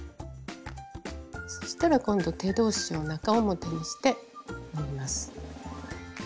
そしたら今度手同士を中表にして縫います。